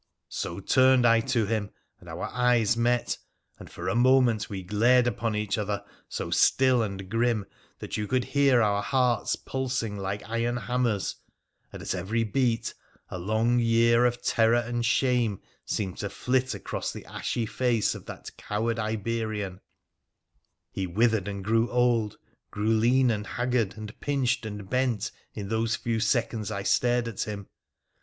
So turned I to him, and our eyes met — and for a moment we glared upon each other so still and grim that you could hear our hearts pulsing like iron hammers, and at every beat a long year of terror and shame seemed to flit across the ashy face of that coward Iberian : he withered and grew old, grew lean and haggard and pinched and bent in those few seconds I stared at him.